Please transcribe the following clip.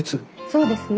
そうですね。